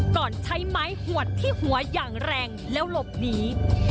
ก่อนใช้ไม้หวดที่หัวอย่างแรงแล้วหลบหนี